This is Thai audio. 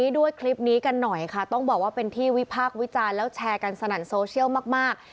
ด้วยคลิปนี้กันหน่อยค่ะต้องบอกว่าเป็นที่วิพากษ์วิจารณ์แล้วแชร์กันสนั่นโซเชียลมากมาก